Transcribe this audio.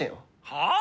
はあ！？